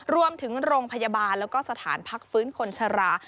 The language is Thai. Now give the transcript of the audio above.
รวมถึงโรงพยาบาลแล้วก็สถานภัคพ์ฟื้นคนชะระ